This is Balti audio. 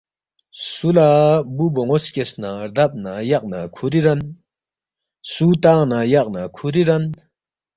سُو لہ بُو بون٘و سکیس نہ ردب نہ یق نہ کُھوری رَن، سُو تنگ نہ یق نہ کُھوری رَن